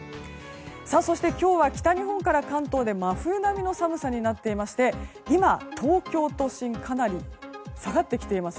そして今日は北日本から関東で真冬並みの寒さになっていまして今、東京都心かなり下がってきています。